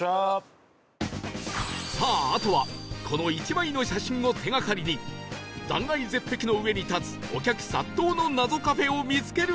さああとはこの１枚の写真を手がかりに断崖絶壁の上に立つお客殺到の謎カフェを見つけるのみ